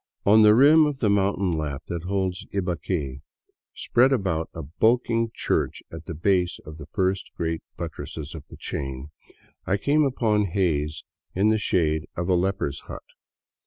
On the rim of the mountain lap that holds Ibaque, spread about a bulking church at the base of the first great buttresses of the chain, I came upon Hays in the shade of a leper's hut.